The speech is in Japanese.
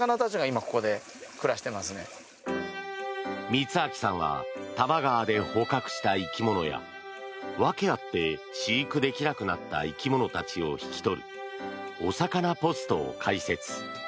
充哲さんは多摩川で捕獲した生き物や訳あって飼育できなくなった生き物たちを引き取りおさかなポストを開設。